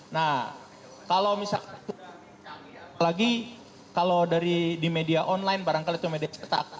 nah kalau misalnya apalagi kalau dari di media online barangkali itu media cetak